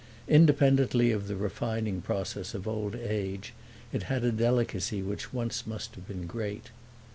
Independently of the refining process of old age it had a delicacy which once must have been great.